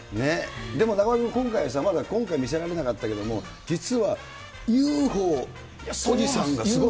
でも中丸君、今回、まだ今回、見せられなかったけども、実はＵＦＯおじさんがすごい。